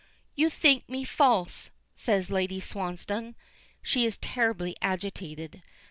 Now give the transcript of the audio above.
"You think me false," says Lady Swansdown. She is terribly agitated.